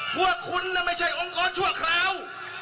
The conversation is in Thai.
พวกคุณไม่ใช่องค์กรชั่วคราว